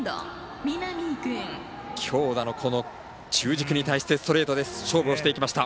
強打の中軸に対してストレートで勝負をしていきました。